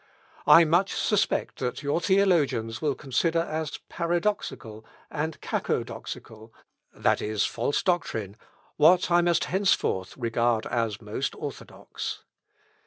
I much suspect that your theologians will consider as paradoxical and kakodoxical, what I must henceforth regard as most orthodox.